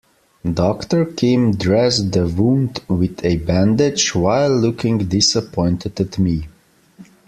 Doctor Kim dressed the wound with a bandage while looking disappointed at me.